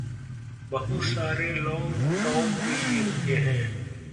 बहुत सारे लोग टॉम के लिये रुके हैं।